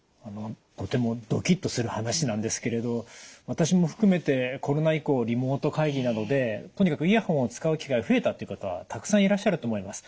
とてもドキッとする話なんですけれど私も含めてコロナ以降リモート会議などでとにかくイヤホンを使う機会が増えたっていう方たくさんいらっしゃると思います。